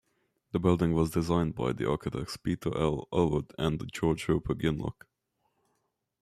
The building was designed by the architects Peter L. Allward and George Roper Gouinlock.